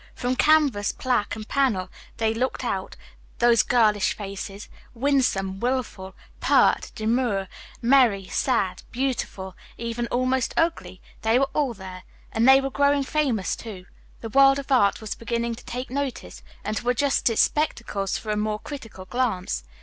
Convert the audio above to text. From canvas, plaque, and panel they looked out those girlish faces: winsome, wilful, pert, demure, merry, sad, beautiful, even almost ugly they were all there; and they were growing famous, too. The world of art was beginning to take notice, and to adjust its spectacles for a more critical glance.